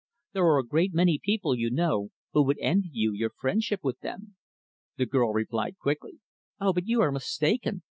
There are a great many people, you know, who would envy you your friendship with them." The girl replied quickly, "O, but you are mistaken.